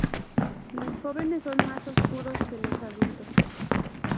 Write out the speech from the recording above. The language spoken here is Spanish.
Los jóvenes son más oscuros que los adultos.